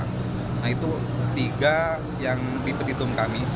nah itu tiga yang di petitum kami